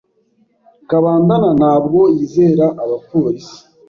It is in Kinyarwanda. Kabandana ntabwo yizera abapolisi.